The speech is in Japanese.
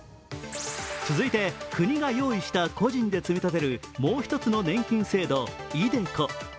続いて、国が用意した個人で積み立てるもう一つの年金制度、ｉＤｅＣｏ。